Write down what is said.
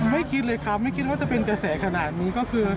ไม่คิดเลยครับไม่คิดว่าจะเป็นกระแสขนาดนี้ก็คือ